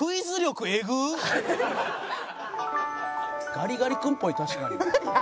「ガリガリ君っぽい確かに」